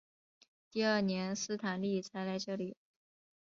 第二年斯坦利才来到这里。